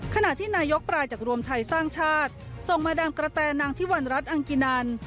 ขณะที่นายกปลายจากรวมไทยสร้างชาติส่งมาดังกระแตนางที่วันรัฐอังกินัน